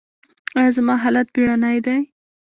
ایا زما حالت بیړنی دی؟